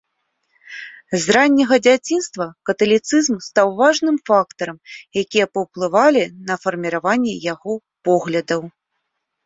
З ранняга дзяцінства каталіцызм стаў важным фактарам, якія паўплывалі на фарміраванне яго поглядаў.